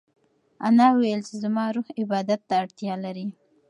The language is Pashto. انا وویل چې زما روح عبادت ته اړتیا لري.